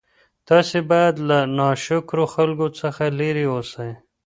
تاسي باید له ناشکرو خلکو څخه لیري اوسئ.